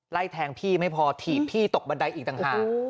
ไล่แทงพี่ไม่พอถีบพี่ตกบันไดอีกต่างหาก